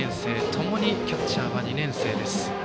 ともにキャッチャーは２年生。